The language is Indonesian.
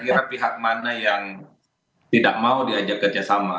kira kira pihak mana yang tidak mau diajak kerjasama